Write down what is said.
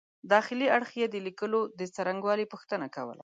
داخلي اړخ یې د لیکلو د څرنګوالي پوښتنه ده.